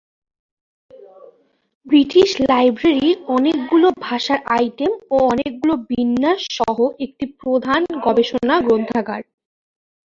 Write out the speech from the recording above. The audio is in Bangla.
ব্রিটিশ লাইব্রেরি অনেকগুলি ভাষার আইটেম ও অনেকগুলি বিন্যাস সহ একটি প্রধান গবেষণা গ্রন্থাগার।